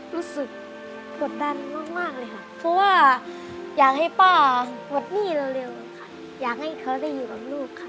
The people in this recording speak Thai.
รู้สึกกดดันมากเลยค่ะเพราะว่าอยากให้ป้าปลดหนี้เร็วค่ะอยากให้เขาได้อยู่กับลูกค่ะ